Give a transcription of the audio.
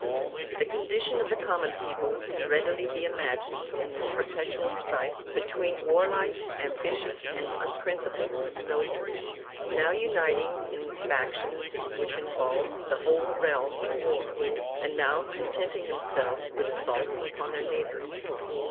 I] VIRTUAL ANARCHY 7 The condition of the common people can readily be imagined in this perpetual strife between warlike, ambitious and unprin cipled nobles, now uniting in factions which involved the whole realm in war, and now contenting themselves with assaults upon their neighbors.